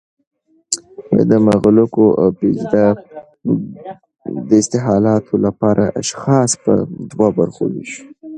د مغلقو او پیچده اصطالحاتو لپاره اشخاص په دوه برخو ویشو